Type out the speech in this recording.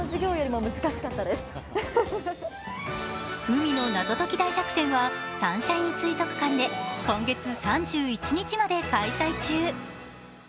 海の謎解き大作戦はサンシャイン水族館で、今月３１日まで開催中。